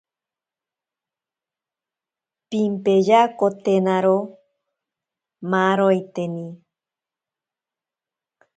Pimpeyakotenaro maaroiteni.